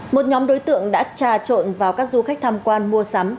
một nhóm đối tượng đã trà trộn vào các du khách tham quan mua sắm